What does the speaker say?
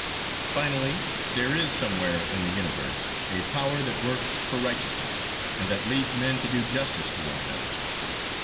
Finally, there is, somewhere in the Universe a "Power that works for righteousness," and that leads men to do justice to one another.